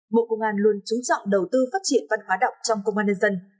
bộ công an luôn trú trọng đầu tư phát triển văn hóa đọc trong công an nhân dân